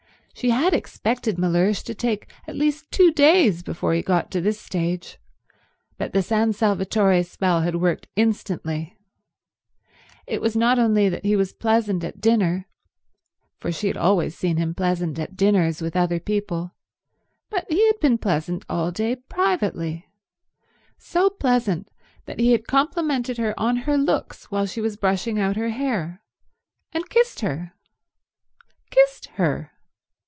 She had expected Mellersh to take at least two days before he got to this stage, but the San Salvatore spell had worked instantly. It was not only that he was pleasant at dinner, for she had always seen him pleasant at dinners with other people, but he had been pleasant all day privately—so pleasant that he had complimented her on her looks while she was brushing out her hair, and kissed her. Kissed her!